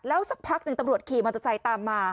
แล้วสักพักหนึ่งตำรวจขี่มอตใจตามมา